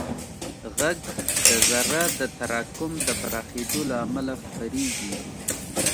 غږ د ذرّو د تراکم او پراخېدو له امله خپرېږي.